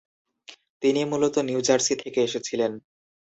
তিনি মূলত New Jersey থেকে এসেছিলেন।